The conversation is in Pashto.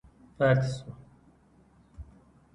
پاتې شو.